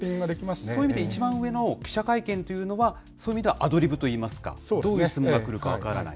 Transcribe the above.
そういう意味で、一番上の記者会見というのは、そういう意味ではアドリブといいますか、どういうふうに来るか分からない。